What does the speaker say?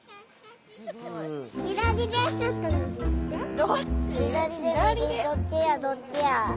どっちやどっちや。